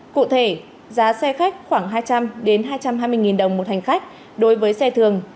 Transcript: cụ thể giá xe khách khoảng hai trăm linh hai trăm hai mươi đồng một hành khách đối với xe thường